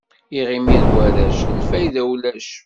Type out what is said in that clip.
Iɣimi d warrac, lfayda ulac.